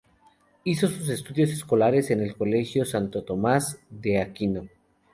Hizo sus estudios escolares en el Colegio Santo Tomás de Aquino.